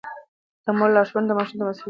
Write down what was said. د مور لارښوونه ماشوم ته مسووليت ورښيي.